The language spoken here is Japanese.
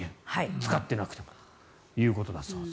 使っていなくてもということだそうです。